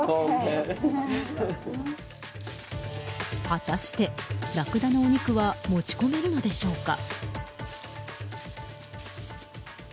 果たして、ラクダのお肉は持ち込めるのでしょうか？